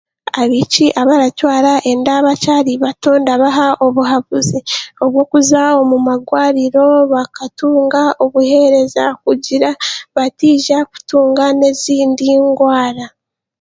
Abaishiki abaratwara enda bakyari bato ndabaha obuhabuzi obwokuza omu magwariro bakatunga obuheereza kugira ngu batiiza kutunga n'ezindi ngwara.